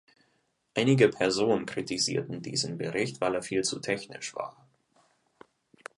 Einige Personen kritisierten diesen Bericht, weil er viel zu technisch war.